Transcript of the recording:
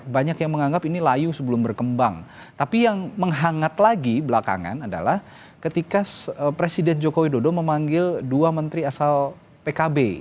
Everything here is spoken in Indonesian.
banyak yang menganggap ini layu sebelum berkembang tapi yang menghangat lagi belakangan adalah ketika presiden jokowi dodo memanggil dua menteri asal pkb